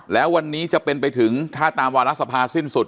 แล้ววันนี้จะเป็นไปถึงถ้าตามวาระสภาสิ้นสุด